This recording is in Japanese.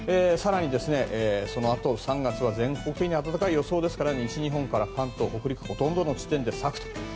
更に、そのあと３月は全国的に暖かい予想ですから西日本から関東、北陸ほとんどの地点で咲くと。